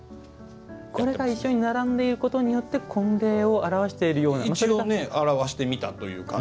これが一緒に並んでいることによって結婚を表しているという。